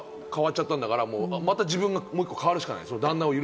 ノラが変わっちゃったんだから、もう１回変わるしかない。